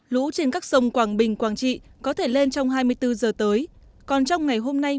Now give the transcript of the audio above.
lũ trên các sông quảng bình quảng trị có thể lên trong hai mươi bốn giờ tới còn trong ngày hôm nay